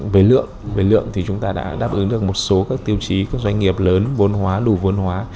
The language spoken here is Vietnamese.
với lượng chúng ta đã đáp ứng được một số các tiêu chí doanh nghiệp lớn vốn hóa đủ vốn hóa